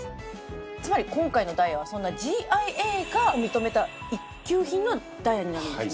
つまり今回のダイヤはそんなＧＩＡが認めた一級品のダイヤになるんですね。